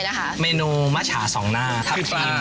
เย่หนูจะได้ชลัง